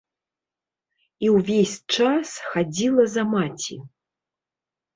І ўвесь час хадзіла за маці.